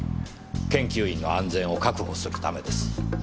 研究員の安全を確保するためです。